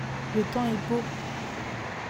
Le temps est beau.